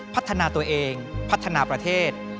พัฒนาตัวเองพัฒนาประเทศ